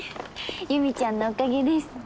ゆみちゃんのおかげです。